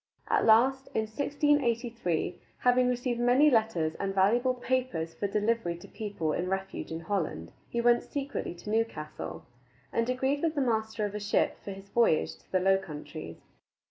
At last, in 1683, having received many letters and valuable papers for delivery to people in refuge in Holland, he went secretly to Newcastle, and agreed with the master of a ship for his voyage to the Low Countries.